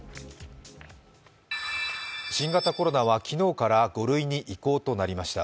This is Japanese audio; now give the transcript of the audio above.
新型コロナは昨日から５類に移行となりました。